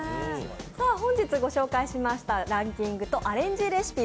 本日ご紹介しましたランキングとアレンジレシピ